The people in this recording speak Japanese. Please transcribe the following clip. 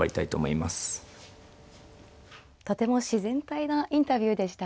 とても自然体なインタビューでしたね。